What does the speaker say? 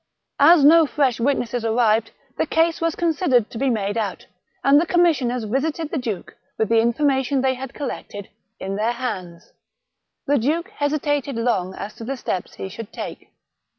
As no fresh witnesses arrived, the case was considered to be made out, and the commissioners visited the duke, with the information they had collected, in their hands. The duke hesitated long as to the steps he should take.